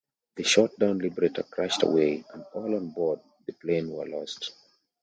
The shot-down Liberator crashed away, and all on board the plane were lost.